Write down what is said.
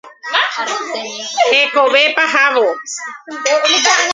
Hekove pahávo.